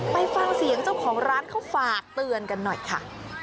ไปฟังเสียงเจ้าของร้านเขาฝากเตือนกันหน่อยค่ะ